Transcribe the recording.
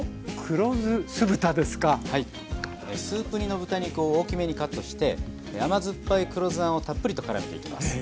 スープ煮の豚肉を大きめにカットして甘酸っぱい黒酢あんをたっぷりとからめていきます。